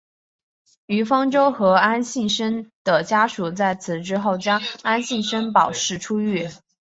于方舟和安幸生的家属在此之后将安幸生保释出狱。